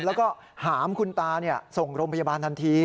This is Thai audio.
แล้วก็หามคุณตาส่งโรงพยาบาลทันที